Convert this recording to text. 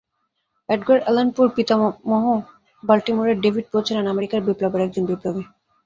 Edgar Allan পো-এর পিতামহ বাল্টিমোরের ডেভিড পো ছিলেন আমেরিকান বিপ্লবের একজন বিপ্লবী।